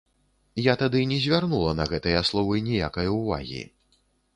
Я тады не звярнула на гэтыя словы ніякай увагі.